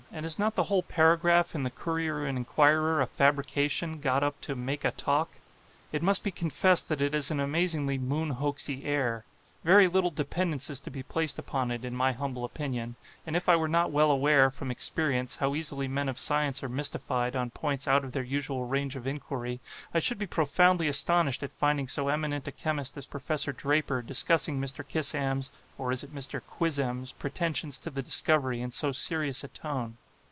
and is not the whole paragraph in the 'Courier and Enquirer' a fabrication got up to 'make a talk'? It must be confessed that it has an amazingly moon hoaxy air. Very little dependence is to be placed upon it, in my humble opinion; and if I were not well aware, from experience, how very easily men of science are mystified, on points out of their usual range of inquiry, I should be profoundly astonished at finding so eminent a chemist as Professor Draper, discussing Mr. Kissam's (or is it Mr. Quizzem's?) pretensions to the discovery, in so serious a tone.